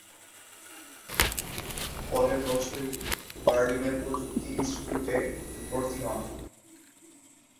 পরের বছরই বার্লিনের প্রযুক্তি ইনস্টিটিউটে ভর্তি হন।